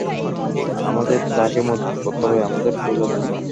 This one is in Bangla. আমাদের তাকে মজবুর করতে হবে, আমাদের খুজার জন্য।